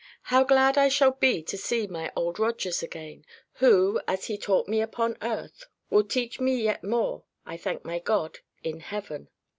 How glad I shall be to see my Old Rogers again, who, as he taught me upon earth, will teach me yet more, I thank my God, in heaven!